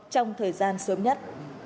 trong thời gian sớm nhất